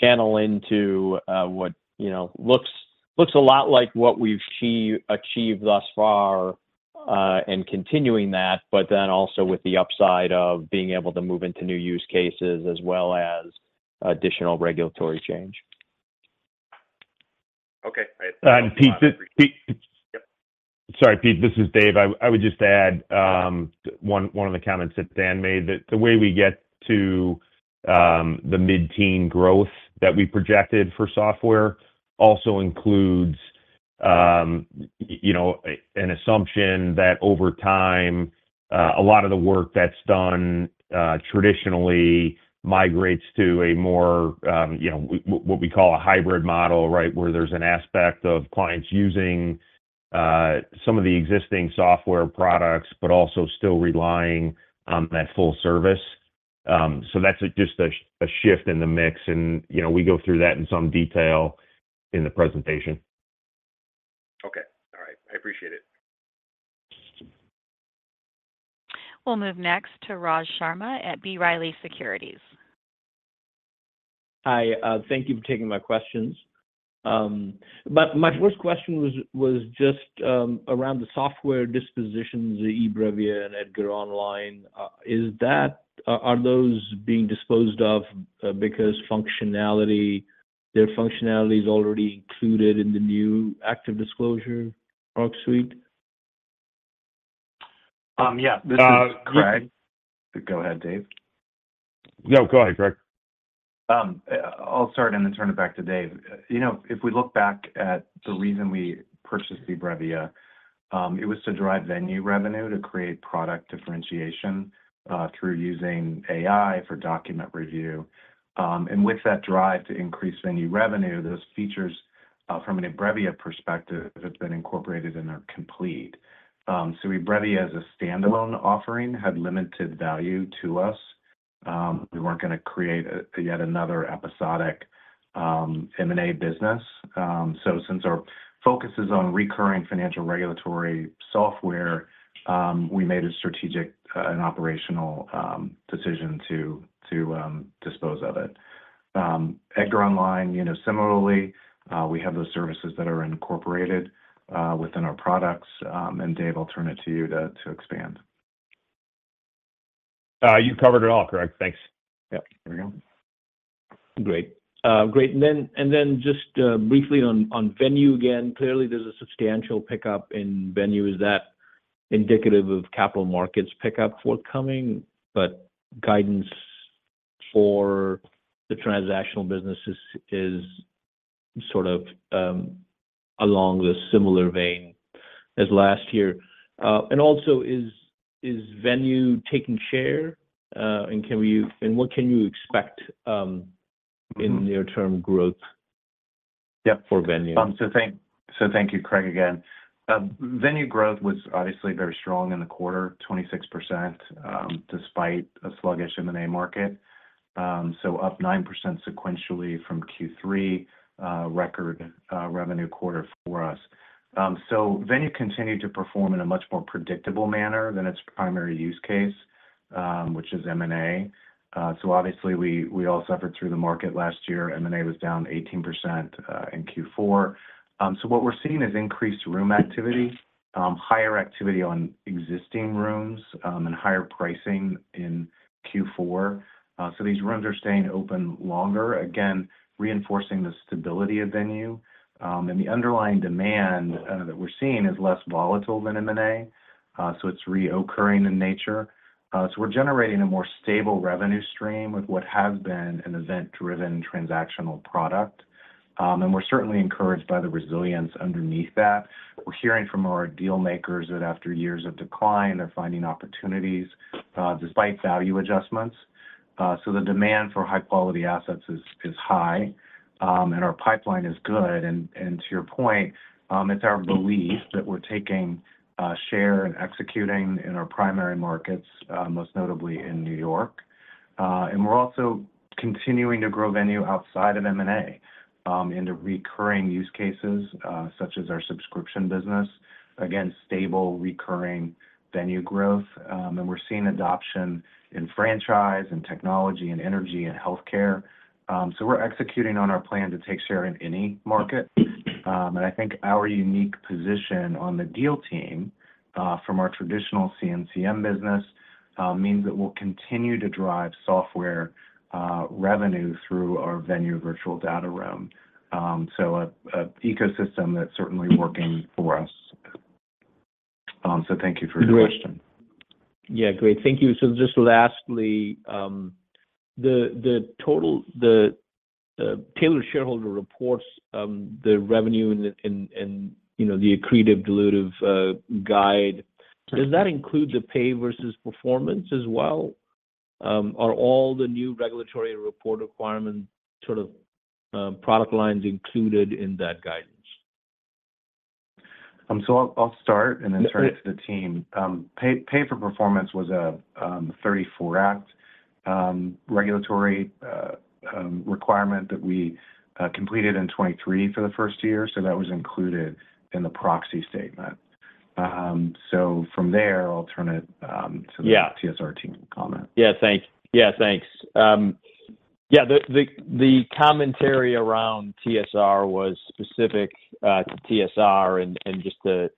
channel into what looks a lot like what we've achieved thus far and continuing that, but then also with the upside of being able to move into new use cases as well as additional regulatory change. Okay. Great. Pete, sorry, Pete, this is Dave. I would just add one of the comments that Dan made, that the way we get to the mid-teen growth that we projected for software also includes an assumption that over time, a lot of the work that's done traditionally migrates to a more what we call a hybrid model, right, where there's an aspect of clients using some of the existing software products, but also still relying on that full service. So that's just a shift in the mix. We go through that in some detail in the presentation. Okay. All right. I appreciate it. We'll move next to Raj Sharma at B. Riley Securities. Hi. Thank you for taking my questions. My first question was just around the software dispositions, the eBrevia and EDGAR Online. Are those being disposed of because their functionality is already included in the new ActiveDisclosure Arc Suite? Yeah. This is Greg. Go ahead, Dave. No, go ahead, Greg. I'll start and then turn it back to Dave. If we look back at the reason we purchased eBrevia, it was to drive Venue revenue, to create product differentiation through using AI for document review. And with that drive to increase Venue revenue, those features from an eBrevia perspective have been incorporated in our Venue. So eBrevia, as a standalone offering, had limited value to us. We weren't going to create yet another episodic M&A business. So since our focus is on recurring financial regulatory software, we made a strategic and operational decision to dispose of it. EDGAR Online, similarly, we have those services that are incorporated within our products. And Dave, I'll turn it to you to expand. You've covered it all, correct? Thanks. Yeah. There we go. Great. Great. And then just briefly on Venue again, clearly, there's a substantial pickup in Venue. Is that indicative of capital markets pickup forthcoming? But guidance for the transactional business is sort of along the similar vein as last year. And also, is Venue taking share? And what can you expect in near-term growth for Venue? So thank you, Craig, again. Venue growth was obviously very strong in the quarter, 26% despite a sluggish M&A market. Up 9% sequentially from Q3, record revenue quarter for us. Venue continued to perform in a much more predictable manner than its primary use case, which is M&A. Obviously, we all suffered through the market last year. M&A was down 18% in Q4. What we're seeing is increased room activity, higher activity on existing rooms, and higher pricing in Q4. These rooms are staying open longer, again, reinforcing the stability of Venue. The underlying demand that we're seeing is less volatile than M&A. It's reoccurring in nature. We're generating a more stable revenue stream with what has been an event-driven transactional product. We're certainly encouraged by the resilience underneath that. We're hearing from our dealmakers that after years of decline, they're finding opportunities despite value adjustments. The demand for high-quality assets is high. Our pipeline is good. To your point, it's our belief that we're taking share and executing in our primary markets, most notably in New York. We're also continuing to grow Venue outside of M&A into recurring use cases such as our subscription business, again, stable, recurring Venue growth. We're seeing adoption in franchise and technology and energy and healthcare. We're executing on our plan to take share in any market. I think our unique position on the deal team from our traditional CNCM business means that we'll continue to drive software revenue through our Venue virtual data room. An ecosystem that's certainly working for us. Thank you for your question. Yeah, great. Thank you. So just lastly, the Tailored Shareholder Reports, the revenue and the accretive-dilutive guide, does that include the Pay Versus Performance as well? Are all the new regulatory report requirement sort of product lines included in that guidance? So I'll start and then turn it to the team. Pay Versus Performance was a 1934 Act regulatory requirement that we completed in 2023 for the first year. So that was included in the proxy statement. So from there, I'll turn it to the TSR team comment. Yeah, thanks. Yeah, thanks. Yeah, the commentary around TSR was specific to TSR and just to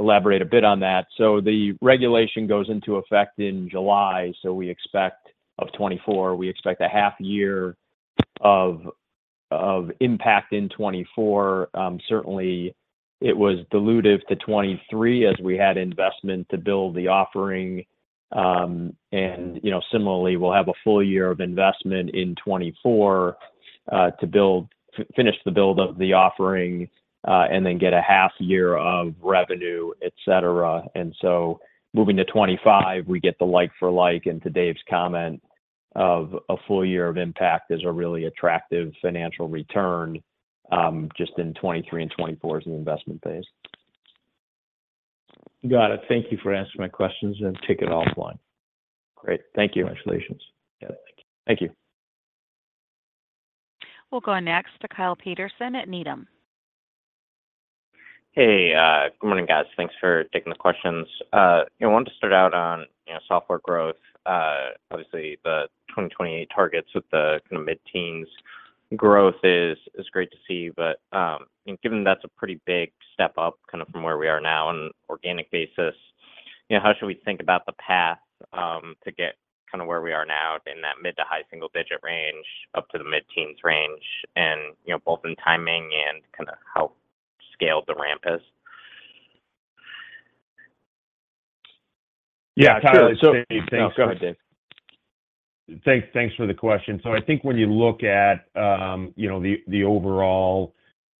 elaborate a bit on that. So the regulation goes into effect in July of 2024. We expect a half-year of impact in 2024. Certainly, it was dilutive to 2023 as we had investment to build the offering. And similarly, we'll have a full year of investment in 2024 to finish the build of the offering and then get a half-year of revenue, etc. And so moving to 2025, we get the like-for-like. And to Dave's comment, a full year of impact is a really attractive financial return just in 2023 and 2024 as an investment phase. Got it. Thank you for answering my questions and take it offline. Great. Thank you. Congratulations. Yeah, thank you. Thank you. We'll go next to Kyle Peterson at Needham. Hey, good morning, guys. Thanks for taking the questions. I wanted to start out on software growth. Obviously, the 2028 targets with the kind of mid-teens growth is great to see. But given that's a pretty big step up kind of from where we are now on an organic basis, how should we think about the path to get kind of where we are now in that mid to high single-digit range up to the mid-teens range, both in timing and kind of how scaled the ramp is? Yeah, Kyle, so thanks. No, go ahead, Dave. Thanks for the question. So I think when you look at the overall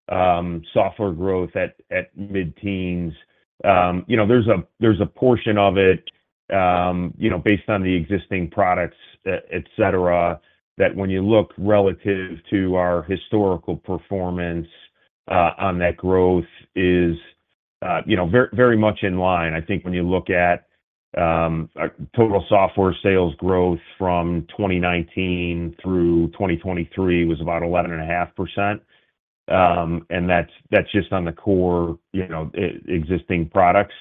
software growth at mid-teens, there's a portion of it based on the existing products, etc., that when you look relative to our historical performance on that growth, is very much in line. I think when you look at total software sales growth from 2019 through 2023 was about 11.5%. And that's just on the core existing products.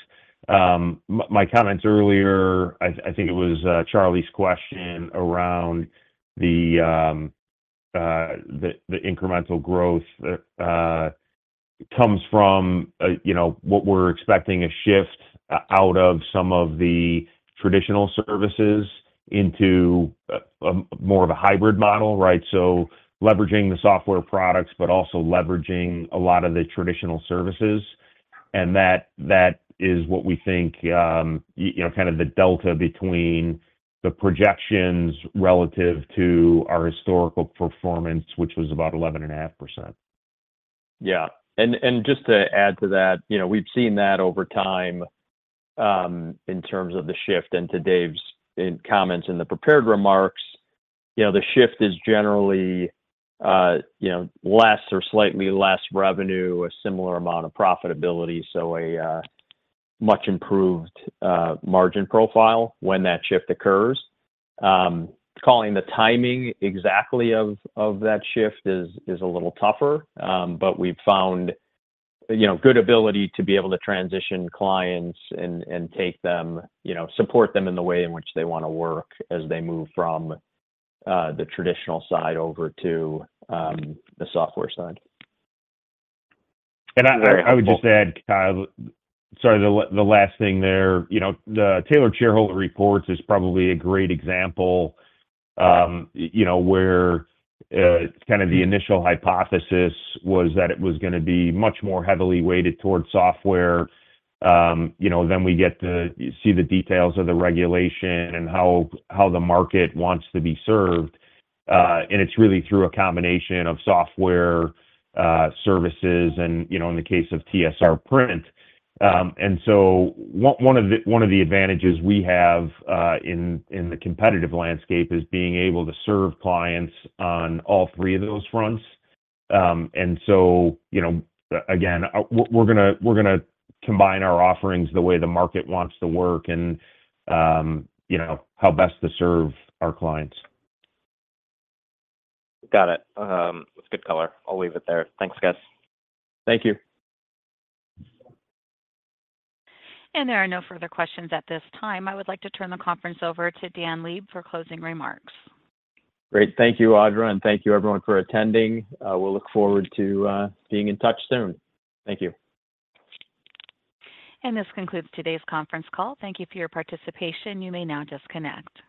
My comments earlier, I think it was Charlie's question around the incremental growth comes from what we're expecting a shift out of some of the traditional services into more of a hybrid model, right? So leveraging the software products, but also leveraging a lot of the traditional services. And that is what we think kind of the delta between the projections relative to our historical performance, which was about 11.5%. Yeah. Just to add to that, we've seen that over time in terms of the shift. To Dave's comments in the prepared remarks, the shift is generally less or slightly less revenue, a similar amount of profitability, so a much improved margin profile when that shift occurs. Calling the timing exactly of that shift is a little tougher. But we've found good ability to be able to transition clients and support them in the way in which they want to work as they move from the traditional side over to the software side. I would just add, Kyle, sorry, the last thing there. The Tailored Shareholder Reports is probably a great example where kind of the initial hypothesis was that it was going to be much more heavily weighted towards software. Then we get to see the details of the regulation and how the market wants to be served. And it's really through a combination of software services and in the case of TSR print. And so one of the advantages we have in the competitive landscape is being able to serve clients on all three of those fronts. And so again, we're going to combine our offerings the way the market wants to work and how best to serve our clients. Got it. That's good color. I'll leave it there. Thanks, guys. Thank you. There are no further questions at this time. I would like to turn the conference over to Dan Leib for closing remarks. Great. Thank you, Audra. Thank you, everyone, for attending. We'll look forward to being in touch soon. Thank you. This concludes today's conference call. Thank you for your participation. You may now disconnect.